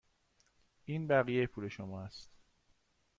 این بقیه پول شما است.